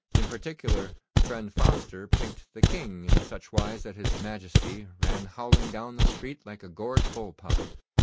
In particular, friend Foster pinked the King in such wise that his Majesty ran howling down the street like a gored bull pup.